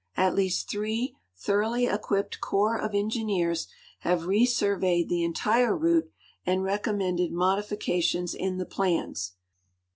At least three thoroughly e(iuip|)ed eorj)S of engineers have resurveyed the entire route and recommended modifications in the plans.